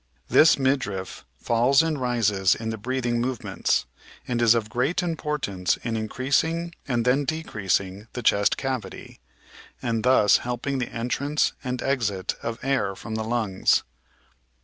This midriff falls and rises in the breathing movements, and is of great importance in increasing and then de creasing the chest cavity, and thus helping the entrance and exit of air from the limgs.